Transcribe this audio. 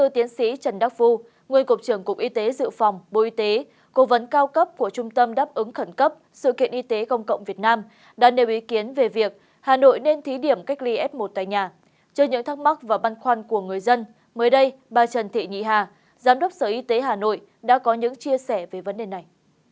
trên những thắc mắc và băn khoăn của người dân mới đây bà trần thị nhị hà giám đốc sở y tế hà nội đã có những chia sẻ về vấn đề này